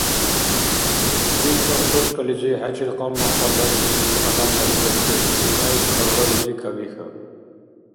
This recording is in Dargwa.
Ил картошкализи хӀечил къалмакъар дарибси адамла у белкӀен, кӀинайс таврализи кабихьа.